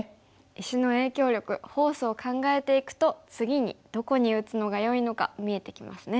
石の影響力フォースを考えていくと次にどこに打つのがよいのか見えてきますね。